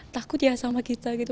takut ya sama kita gitu